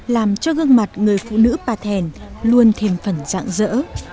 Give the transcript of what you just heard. làm cho gương mặt người phụ nữ bà thèn luôn thêm phần dạng dỡ